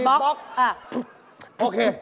โอเค